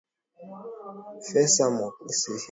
fesa mwakiusa hiyo policy ya kwamba sindano itumike mara moja